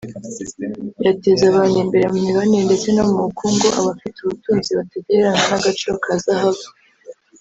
yateza abantu imbere mu mibanire ndetse no mu bukungu aba afite ubutunzi butagereranwa n’agaciro ka zahabu